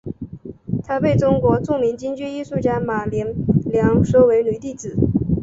她被中国著名京剧艺术家马连良收为女弟子。